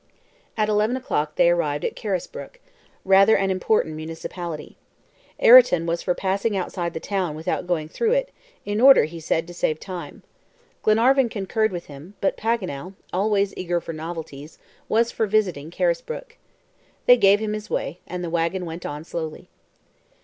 At eleven o'clock they arrived at Carisbrook, rather an important municipality. Ayrton was for passing outside the town without going through it, in order, he said, to save time. Glenarvan concurred with him, but Paganel, always eager for novelties, was for visiting Carisbrook. They gave him his way, and the wagon went on slowly.